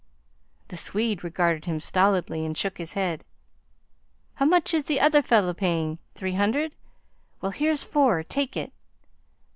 The Swede regarded him stolidly and shook his head. "How much is the other fellow paying? Three hundred? Well, here's four. Take it."